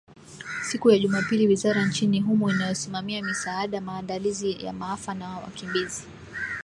siku ya Jumapili wizara nchini humo inayosimamia misaada maandalizi ya maafa na wakimbizi